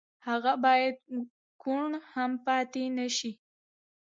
هغه بايد کوڼ هم پاتې نه شي.